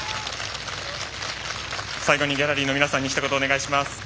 最後にギャラリーの皆さんにひと言お願いします。